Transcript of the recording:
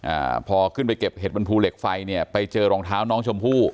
อ่าพอขึ้นไปเก็บเห็ดบนภูเหล็กไฟเนี่ยไปเจอรองเท้าน้องชมพู่